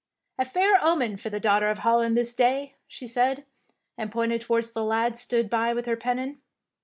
"A fair omen for the Daughter of Holland this day,^' she said, and pointed towards where the lad stood with her pennon.